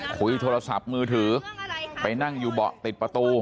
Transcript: คุยโทรศัพท์มือถือไปนั่งอยู่เบาะติดประตู